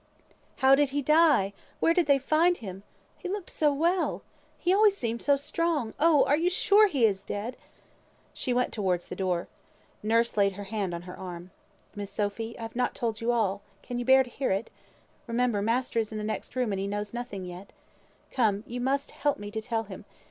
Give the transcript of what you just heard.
"How did he die? Where did they find him? He looked so well. He always seemed so strong. Oh! are you sure he is dead?" She went towards the door. Nurse laid her hand on her arm. "Miss Sophy, I have not told you all. Can you bear to hear it? Remember, master is in the next room, and he knows nothing yet. Come, you must help me to tell him.